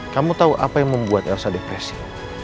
kamu tahu apa yang membuat elsa depresi